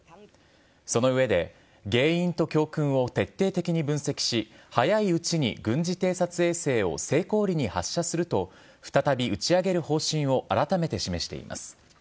その上で、原因と教訓を徹底的に分析し、早いうちに軍事偵察衛星を成功裏に発射すると再び打ち上げる方針を改めて示しています。